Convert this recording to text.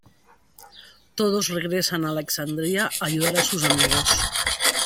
Todos regresan a Alexandria a ayudar a sus amigos.